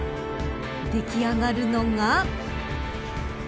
でき上がるのが。